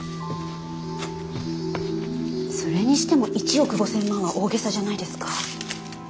それにしても１億５，０００万は大げさじゃないですか？